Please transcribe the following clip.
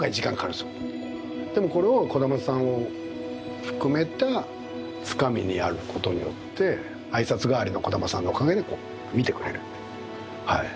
でもこれを児玉さんを含めたつかみでやることによって挨拶代わりの児玉さんのおかげでこう見てくれる。